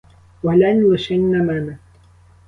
Поглянь лишень на мене!